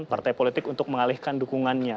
partai politik untuk mengalihkan dukungannya